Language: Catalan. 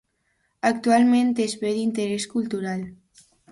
Actualment és Bé d'Interès Cultural.